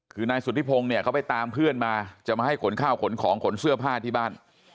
คือนายสุธิพงศ์เนี่ยเขาไปตามเพื่อนมาจะมาให้ขนข้าวขนของขนเสื้อผ้าที่บ้าน